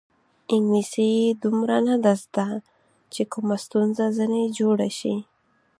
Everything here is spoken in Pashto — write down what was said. انګلیسي یې دومره نه ده زده چې کومه ستونزه ځنې جوړه شي.